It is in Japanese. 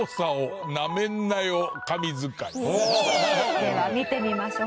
では見てみましょう。